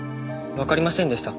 わかりませんでした。